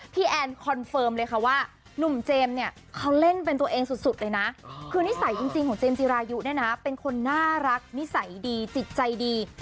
แอนคอนเฟิร์มเลยค่ะว่าหนุ่มเจมส์เนี่ยเขาเล่นเป็นตัวเองสุดเลยนะคือนิสัยจริงของเจมส์จิรายุเนี่ยนะเป็นคนน่ารักนิสัยดีจิตใจดี